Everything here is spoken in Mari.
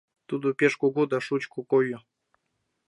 Тудо пеш кугу да шучко койо.